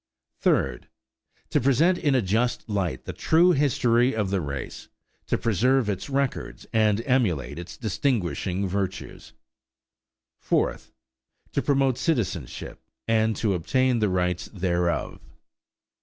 Third. To present in a just light the true history of the race, to preserve its records and emulate its distinguishing virtues. Fourth. To promote citizenship and to obtain the rights thereof.